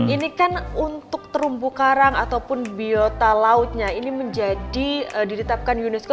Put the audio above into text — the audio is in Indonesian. ini kan untuk terumbu karang ataupun biota lautnya ini menjadi ditetapkan unesco